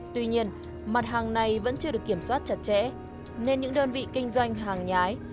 tuy nhiên mặt hàng này vẫn chưa được kiểm soát chặt chẽ nên những đơn vị kinh doanh hàng nhái